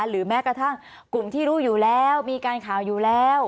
หรือแม้กระทั่งกลุ่มที่รู้อยู่แล้วมีการข่าวอยู่แล้ว